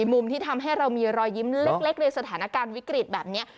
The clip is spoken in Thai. มุมที่ทำให้เรามีรอยยิ้มเล็กในสถานการณ์วิกฤตแบบนี้